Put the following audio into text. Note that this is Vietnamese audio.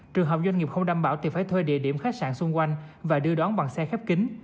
trường hợp doanh nghiệp không đảm bảo thì phải thuê địa điểm khách sạn xung quanh và đưa đón bằng xe khép kính